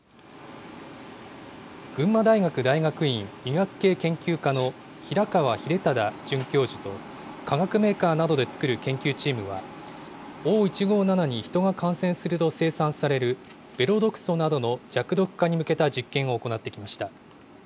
群馬大学大学院医学系研究科の平川秀忠准教授と、化学メーカーなどでつくる研究チームは、Ｏ１５７に人が感染すると生産されるベロ毒素などの弱毒化に向けた実験を行ってきました。